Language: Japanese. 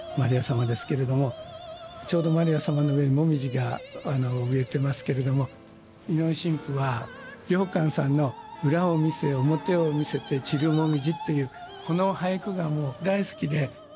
ちょうどマリア様の上にもみじが植えてますけれども井上神父は良寛さんの「裏を見せ表を見せて散るもみじ」というこの俳句がもう大好きで。